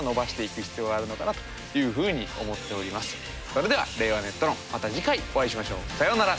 それでは「令和ネット論」また次回お会いしましょう。さようなら。